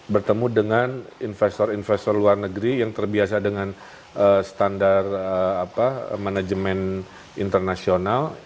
bertemu dengan investor investor luar negeri yang terbiasa dengan standar manajemen internasional